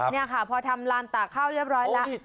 นี่ค่ะพอทำลานตากข้าวเรียบร้อยแล้ว